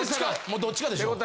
もうどっちかでしょう。